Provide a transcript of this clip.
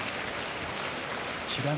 美ノ